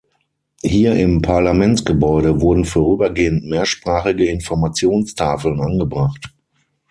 Hier im Parlamentsgebäude wurden vorübergehend mehrsprachige Informationstafeln angebracht.